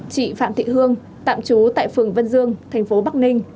chị phạm thị hương tạm trú tại phường vân dương thành phố bắc ninh